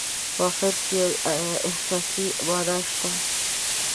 په اخر کې یوه احساسي معنا شته.